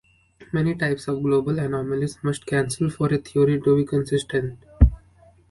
Many types of global anomalies must cancel for a theory to be consistent.